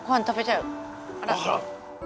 あら。